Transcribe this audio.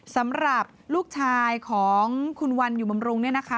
สำหรับลูกชายของคุณวันอยู่บำรุงเนี่ยนะคะ